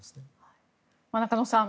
中野さん